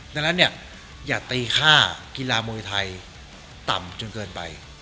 ดังนั้นเนี่ยอย่าตีค่ากีฬามวยไทยต่ำจนเกินไป